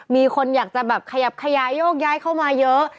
มีคนอยากจะแบบขยับขยายโยกย้ายเข้ามาเยอะ